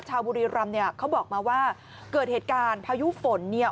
ชาวบุรีรำเขาบอกมาว่าเกิดเหตุการณ์พายุฝน